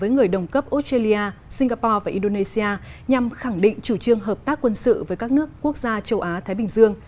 nhằm khẳng định chủ trương hợp tác quân sự với các nước quốc gia châu á thái bình dương